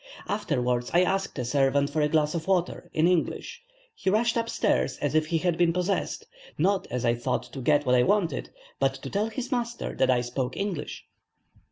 Afterwards I asked a servant for a glass of water, in English; he rushed up stairs as if he had been possessed, not, as I thought, to get what I wanted, but to tell his master that I spoke English.